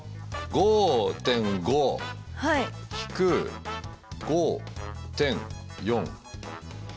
５．５引く５．４は？